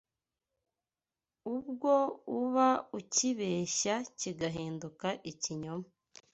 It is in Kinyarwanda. Ubwo uba ucyibeshya kigahinduka ikinyoma